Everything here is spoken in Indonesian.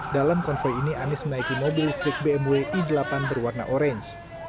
dalam konvoi ini anies menaiki mobil listrik bmw i delapan berwarna orange